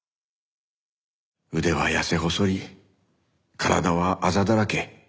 腕は痩せ細り体はアザだらけ。